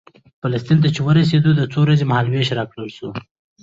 فلسطین ته چې ورسېدو د څو ورځو مهال وېش راکړل شو.